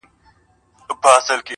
ډوډۍ او شېدې سره خوړل کېږي.